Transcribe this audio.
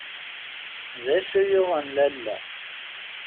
D acu yuɣen lalla?